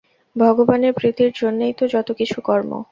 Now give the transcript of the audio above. ভগবানের প্রীতির জন্যই তো যত কিছু কর্ম।